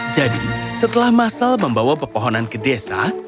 jadi setelah masal membawa pepohonan ke desa